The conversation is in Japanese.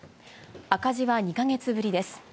赤字は２か月ぶりです。